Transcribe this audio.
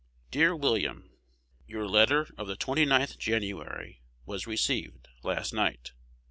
Dear William, Your letter of the 29th January was received last night.